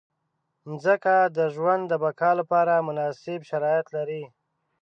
مځکه د ژوند د بقا لپاره مناسب شرایط لري.